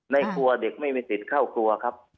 ในครัวเด็กไม่มีสิทธิ์เข้าครัวครับ